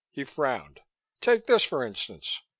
He frowned. "Take this, for instance.